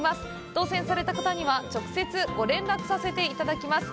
当せんされた方には、直接、ご連絡させていただきます。